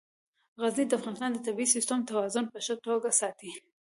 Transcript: غزني د افغانستان د طبعي سیسټم توازن په ښه توګه ساتي.